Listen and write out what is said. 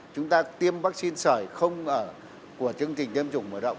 chúng ta tiêm vaccine sởi không ở của chương trình tiêm chủng mở rộng